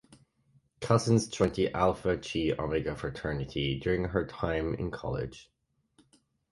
Cousins joined the Alpha Chi Omega fraternity during her time in college.